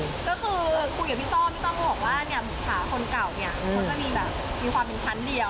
ก็คือคุยกับพี่ต้อพี่ต้อมก็บอกว่าเนี่ยบุคลาคนเก่าเนี่ยเขาจะมีแบบมีความเป็นชั้นเดียว